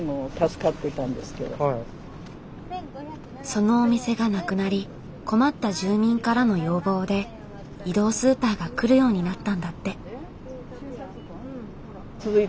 そのお店がなくなり困った住民からの要望で移動スーパーが来るようになったんだって。